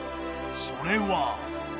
それは。